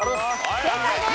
正解です。